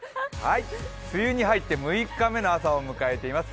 梅雨に入って６日目の朝を迎えています